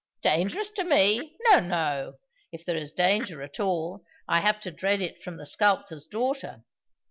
Dangerous to me? No, no! If there is danger at all, I have to dread it from the sculptor's daughter.